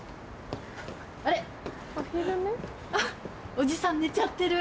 おじさん寝ちゃってる。